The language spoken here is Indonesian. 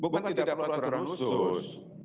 bukan tidak perlu aturan khusus